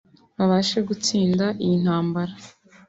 babashe gutsinda iyi ntambara